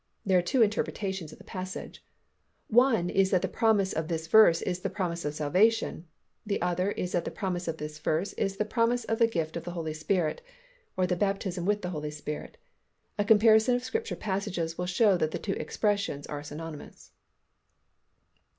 There are two interpretations of the passage; one is that the promise of this verse is the promise of salvation; the other is that the promise of this verse is the promise of the gift of the Holy Spirit (or the baptism with the Holy Spirit; a comparison of Scripture passages will show that the two expressions are synonymous).